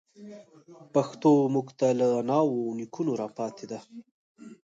پښتو موږ ته له اناوو او نيکونو راپاتي ده.